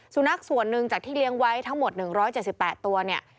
สุนัขส่วนหนึ่งจากที่เลี้ยงไว้ทั้งหมด๑๗๘ตัวเนี่ย